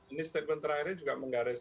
ini statement terakhirnya juga menggaris